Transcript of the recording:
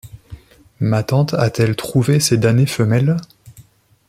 Ma tante a-t-elle trouvé ces damnées femelles?